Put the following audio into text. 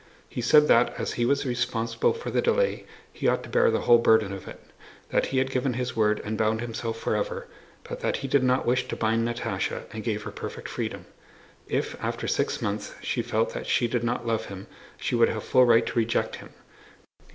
He said that as he was responsible for the delay he ought to bear the whole burden of it; that he had given his word and bound himself forever, but that he did not wish to bind Natásha and gave her perfect freedom. If after six months she felt that she did not love him she would have full right to reject him.